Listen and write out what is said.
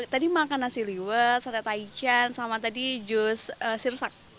tadi makan nasi lewat satay taikian sama tadi jus sirsak